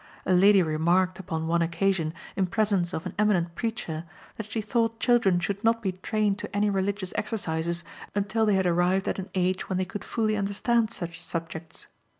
A lady remarked upon one occasion, in presence of an eminent preacher, that she thought children should not be trained to any religious exercises until they had arrived at an age when they could fully understand such subjects.